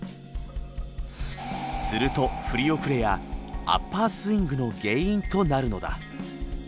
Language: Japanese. すると振り遅れやアッパースイングの原因となるのだ。